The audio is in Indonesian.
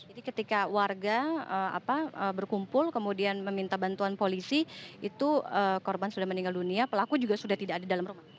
ini ketika warga berkumpul kemudian meminta bantuan polisi itu korban sudah meninggal dunia pelaku juga sudah tidak ada di dalam rumah